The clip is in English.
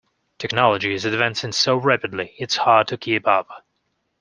Technology is advancing so rapidly, it's hard to keep up.